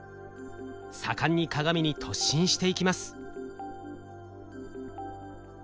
盛んに鏡に突進していきます。